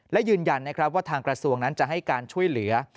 และยืนยันนะครับว่าทางกระทรวงนั้นจะให้การช่วยเหลือ